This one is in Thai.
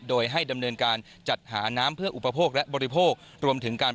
โดยให้ดำเนินการจัดหาน้ำเพื่ออุปโภคและบริโภครวมถึงการ